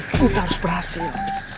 kita harus berhasil